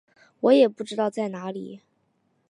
我也不知道在哪里